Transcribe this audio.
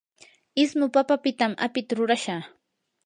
ismu papapitam apita rurashaa.